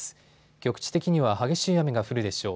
局地的には激しい雨が降るでしょう。